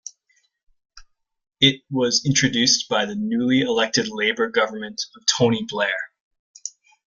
It was introduced by the newly elected Labour government of Tony Blair.